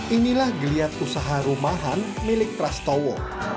inilah geliat usaha rumahan milik prastowo